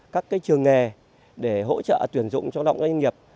các trường nghề để hỗ trợ tuyển dụng cho động doanh nghiệp